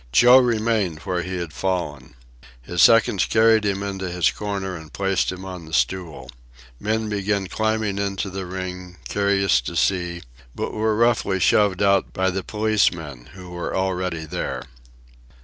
Joe remained where he had fallen. His seconds carried him into his corner and placed him on the stool. Men began climbing into the ring, curious to see, but were roughly shoved out by the policemen, who were already there.